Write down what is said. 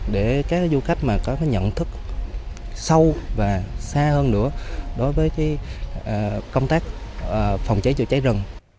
để các du khách mà có nhận thức sâu và xa hơn nữa đối với công tác phòng cháy chữa cháy rừng